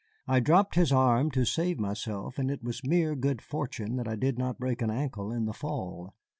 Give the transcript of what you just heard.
I dropped his arm to save myself, and it was mere good fortune that I did not break an ankle in the fall.